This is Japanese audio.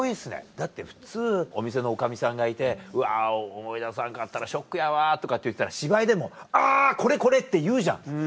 だって普通お店の女将さんがいて「思い出さなかったらショックやわ」とかって言ってたら芝居でも「あぁこれこれ！」って言うじゃん。